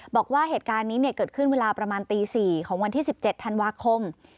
บอกว่าเหตุการณ์นี้เกิดขึ้นเวลาประมาณตี๔ของวันที่๑๗ธันวาคม